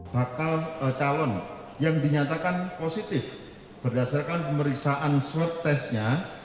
bakal calon yang dinyatakan positif berdasarkan pemeriksaan swab testnya